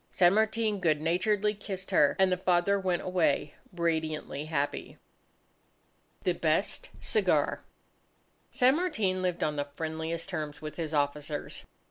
San Martin good naturedly kissed her, and the father went away radiantly happy. The Best Cigar San Martin lived on the friendliest terms with his officers.